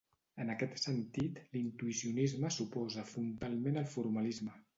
En aquest sentit, l'intuïcionisme s'oposa frontalment al formalisme.